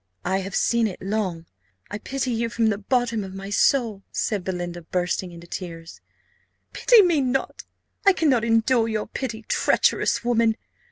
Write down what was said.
"I have seen it long: I pity you from the bottom of my soul," said Belinda, bursting into tears. "Pity me not. I cannot endure your pity, treacherous woman!"